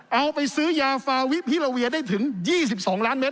เอาไปซื้อยาฟาวิพิลาเวียได้ถึง๒๒ล้านเมต